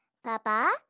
パパ